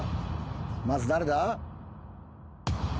まず誰だ？